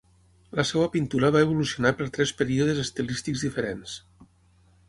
La seva pintura va evolucionar per tres períodes estilístics diferents.